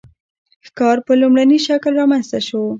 ښکار په لومړني شکل رامنځته شو.